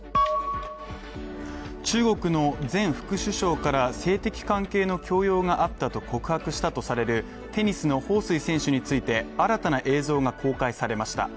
中国の前副首相から性的関係の強要があったと告白したとされるテニスの彭帥選手について、新たな映像が公開されました。